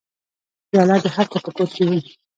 پیاله د هرچا په کور کې وي.